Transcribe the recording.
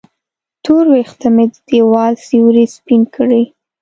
تور وېښته مې د دیوال سیورې سپین کړي